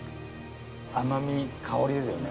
甘み香りですよね。